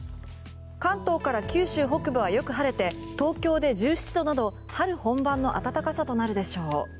関東から九州北部はよく晴れて東京で１７度など春本番の暖かさとなるでしょう。